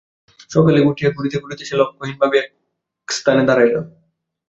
সকালে উঠিয়া ঘুরিতে ঘুরিতে সে লক্ষ্যহীন ভাবে পথের একস্থানে দাঁড়াইল।